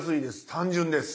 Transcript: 単純です。